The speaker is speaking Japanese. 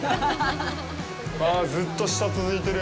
ああ、ずっと下続いてる。